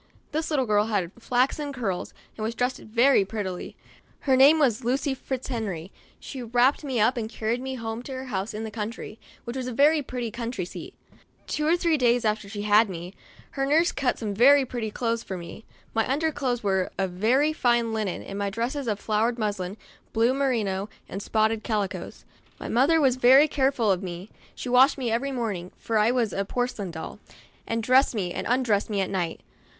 This little girl had flaxen curls, and was dressed very prettily. Her name was Lucy Fitzhenry. She wrapped l 10 MEMOIRS OF A me up and carried me home to her house in the country, which was a very pretty country seat. Two or three days after she had me, her nurse cut some very pretty clothes for me. My under clothes were of very fine linen, and my dresses of flowered muslin, blue merino, and spotted calicoes. My mother was very careful of me ; she washed me every morning (for I was a porcelain Doll), and dressed me, and undressed me at night.